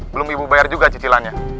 belum ibu bayar juga cicilannya